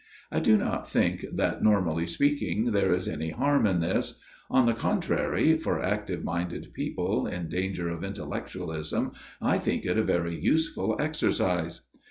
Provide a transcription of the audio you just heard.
I do not think that, normally speaking, there is any harm in this ; on the contrary, for active minded people in danger of intellectualism I think it a very useful exercise.